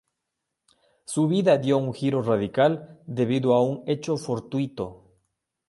Su vida dio un giro radical debido a un hecho fortuito.